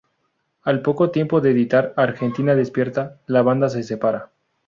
Al poco tiempo de editar "Argentina despierta" la banda se separa.